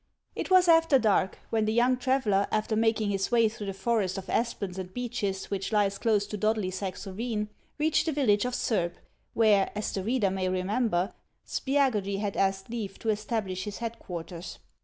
It was after dark when the young traveller, after mak ing his way through the forest of aspens and beeches which lies close to Dodlysax ravine, reached the village of Surb, where (as the reader may remember) Spiagudry had asked leave to establish his headquarters.